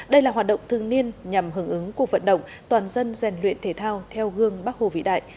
đây là hoạt động thương niên nhằm hưởng ứng cuộc vận động toàn dân rèn luyện thể thao theo gương bắc hồ vĩ đại